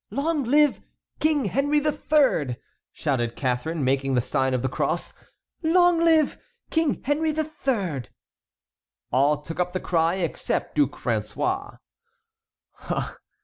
"Long live King Henry III.!" shouted Catharine, making the sign of the cross. "Long live King Henry III.!" All took up the cry except Duc François.